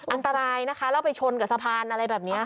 อันตรายนะคะแล้วไปชนกับสะพานอะไรแบบนี้